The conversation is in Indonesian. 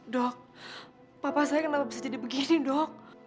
dok papa saya kenapa bisa jadi begini dok